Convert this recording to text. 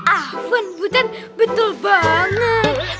ah wan butan betul banget